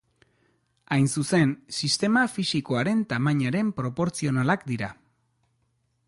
Hain zuzen, sistema fisikoaren tamainaren proportzionalak dira.